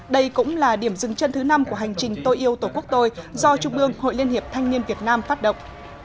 đây cũng là điểm dừng chân thứ năm của hành trình tôi yêu tổ quốc tôi do trung ương hội liên hiệp thanh niên việt nam phát động